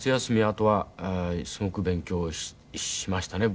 あとはすごく勉強しましたね。